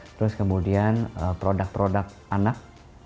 terus kemudian produk produk anak